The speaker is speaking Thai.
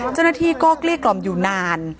เจ้าหน้าที่ก็เกลี้ยกล่อมอยู่นาน